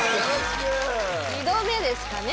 ２度目ですかね